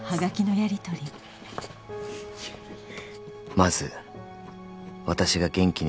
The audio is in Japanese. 「まず私が元気に」